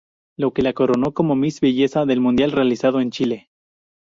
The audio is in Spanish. Lo que la coronó como Miss Belleza del Mundial realizado en Chile.